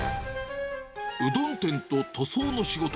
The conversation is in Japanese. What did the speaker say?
うどん店と塗装の仕事。